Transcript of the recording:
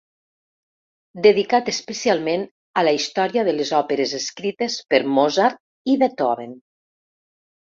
Dedicat especialment a la història de les òperes escrites per Mozart, i Beethoven.